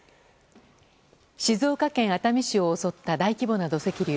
静岡県熱海市を襲った大規模な土石流。